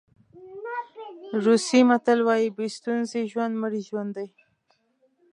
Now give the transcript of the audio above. روسي متل وایي بې ستونزې ژوند مړی ژوند دی.